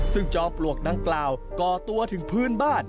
ซึ่งจอมปลวกดังกล่าวก่อตัวถึงพื้นบ้าน